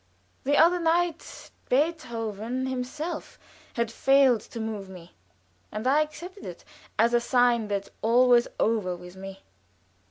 The other night Beethoven himself had failed to move me, and I accepted it as a sign that all was over with me.